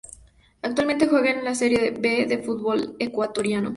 Actualmente juega en la Serie B del fútbol ecuatoriano.